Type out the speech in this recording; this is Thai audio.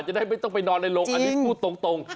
จะได้ไม่ต้องไปนอนในโรงอันนี้พูดตรง